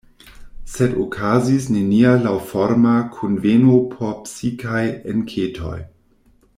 Sed okazis nenia laŭforma kunveno por psikaj enketoj.